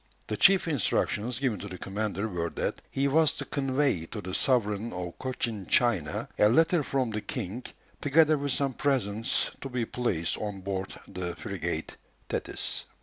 The chief instructions given to the commander were that he was to convey to the sovereign of Cochin China a letter from the king, together with some presents, to be placed on board the frigate Thetis. M.